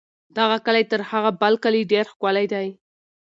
دغه کلی تر هغه بل کلي ډېر ښکلی دی.